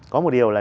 có một điều là